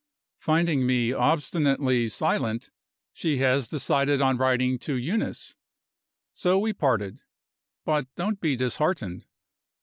Finding me obstinately silent, she has decided on writing to Eunice. So we parted. But don't be disheartened.